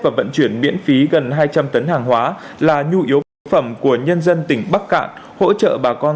và vận chuyển miễn phí gần hai trăm linh tấn hàng hóa là nhu yếu phẩm của nhân dân tỉnh bắc cạn hỗ trợ bà con